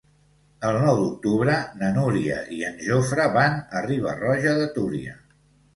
El nou d'octubre na Núria i en Jofre van a Riba-roja de Túria.